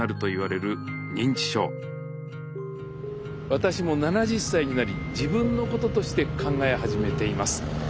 私も７０歳になり自分のこととして考え始めています。